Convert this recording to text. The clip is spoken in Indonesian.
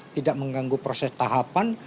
tidak mengganggu proses tahapan